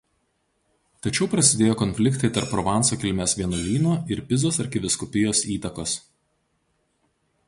Tačiau prasidėjo konfliktai tarp Provanso kilmės vienuolynų ir Pizos arkivyskupijos įtakos.